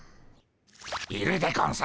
いるでゴンス！